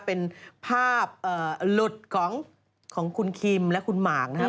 เป็นภาพหลุดของคุณคิมและคุณหมากนะครับ